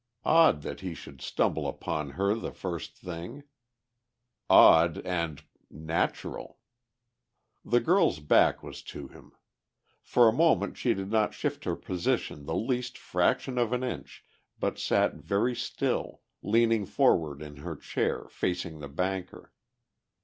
Odd that he should stumble upon her the first thing. Odd and natural.... The girl's back was to him. For a moment she did not shift her position the least fraction of an inch, but sat very still, leaning forward in her chair, facing the banker.